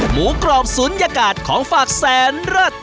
หมูกรอบศูนยากาศของฝากแสนเลิศ